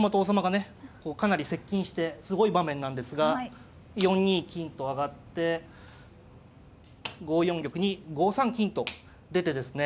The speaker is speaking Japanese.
かなり接近してすごい場面なんですが４二金と上がって５四玉に５三金と出てですね